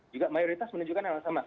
juga mayoritas menunjukkan hal yang sama